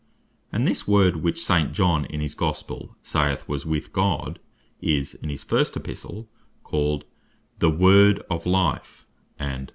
And this Word which St. John in his Gospel saith was with God, is (in his 1 Epistle, verse 1.) called "the Word of Life;" and (verse 2.)